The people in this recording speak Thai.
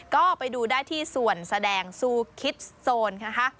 ก็ไปดูได้ที่ส่วนแสดงซูคิดโซนนะคะ